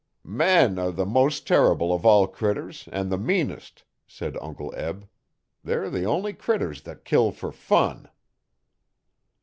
'Men are the mos' terrible of all critters, an' the meanest,' said Uncle Eb. 'They're the only critters that kill fer fun.'